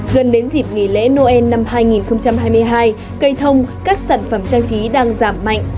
gần đến dịp nghỉ lễ noel năm hai nghìn hai mươi hai cây thông các sản phẩm trang trí đang giảm mạnh